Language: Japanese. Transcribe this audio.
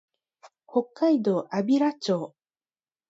北海道安平町